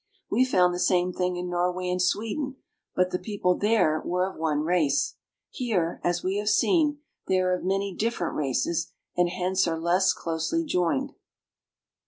We found the same thing in Norway and Swe den, but the people there were of one race. Here, as we have seen, they are of many different races and hence are less closely joined.